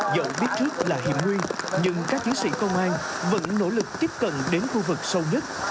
dẫu biết trước là hiểm nguyên nhưng các chiến sĩ công an vẫn nỗ lực tiếp cận đến khu vực sâu nhất